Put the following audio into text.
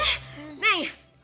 kalau sampai gue dikeluarin